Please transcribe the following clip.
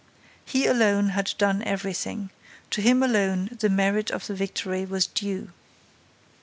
He alone had done everything. To him alone the merit of the victory was due.